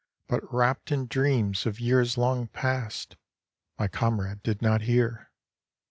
But wrapt in dreams of years long past, My comrade did not hear.